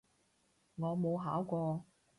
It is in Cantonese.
我冇考過